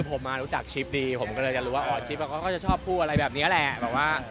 ผมมารู้จักชิปดีผมก็เลยจะรู้ว่าอ๋อชิปเขาก็จะชอบพูดอะไรแบบนี้แหละแบบว่า